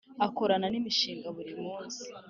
Akorana n’imishinga buri munsi